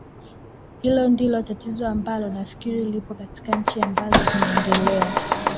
hilo ndio tatizo ambalo nafikiri lipo katika nchi ambazo zinaendelea